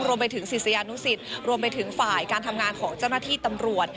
รวมไปถึงศิษยานุสิตรวมไปถึงฝ่ายการทำงานของเจ้าหน้าที่ตำรวจ